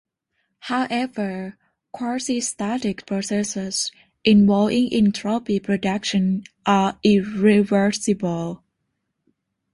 However, quasi-static processes involving entropy production are irreversible.